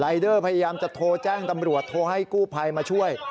เดอร์พยายามจะโทรแจ้งตำรวจโทรให้กู้ภัยมาช่วย